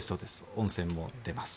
温泉も出ます。